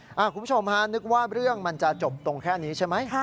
คุณผู้ชมฮะนึกว่าเรื่องมันจะจบตรงแค่นี้ใช่ไหม